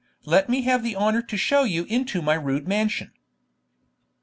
Let me have the honour to show you into my rude mansion.'